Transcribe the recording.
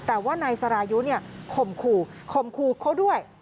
แต่ว่านายสรายุข่มขู่เขาด้วย